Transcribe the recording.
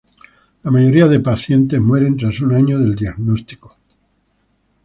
La mayoría de pacientes mueren tras un año del diagnostico.